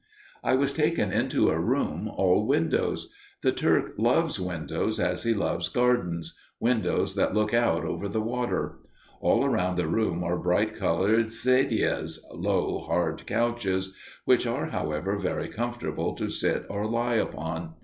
I was taken into a room all windows. The Turk loves windows as he loves gardens windows that look over the water. All around the room were bright colored sedias, low hard couches, which are, however, very comfortable to sit or lie upon.